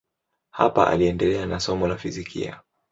Hapo aliendelea na somo la fizikia.